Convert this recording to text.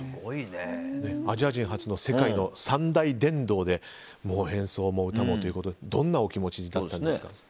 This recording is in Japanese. アジア人初の世界の三大殿堂で演奏もということでどんなお気持ちなんですか。